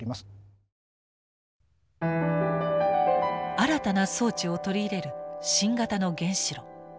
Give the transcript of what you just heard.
新たな装置を取り入れる新型の原子炉。